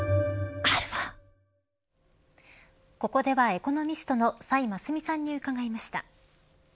ここではエコノミストの崔真淑さんに伺いました。